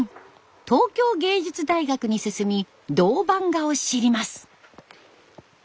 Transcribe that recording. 東京藝術大学に進み銅版画を知ります。